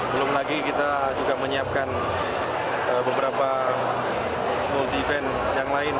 belum lagi kita juga menyiapkan beberapa multi event yang lain